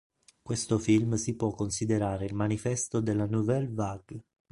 Questo film si può considerare il manifesto della Nouvelle Vague.